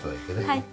はい。